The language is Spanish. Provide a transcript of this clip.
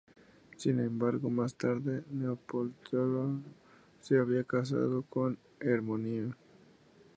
Sin embargo más tarde Neoptólemo se había casado con Hermíone.